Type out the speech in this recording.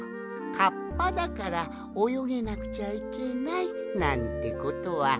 カッパだからおよげなくちゃいけないなんてことはないんじゃ。